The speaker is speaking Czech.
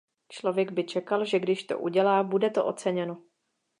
Člověk by čekal, že když to udělá, bude to oceněno.